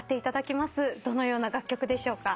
どのような楽曲でしょうか？